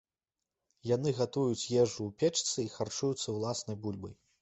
Яны гатуюць ежу ў печцы і харчуюцца ўласнай бульбай.